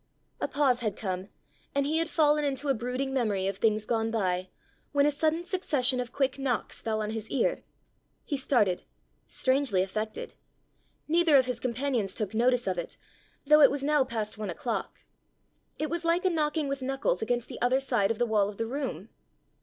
A pause had come, and he had fallen into a brooding memory of things gone by, when a sudden succession of quick knocks fell on his ear. He started strangely affected. Neither of his companions took notice of it, though it was now past one o'clock. It was like a knocking with knuckles against the other side of the wall of the room.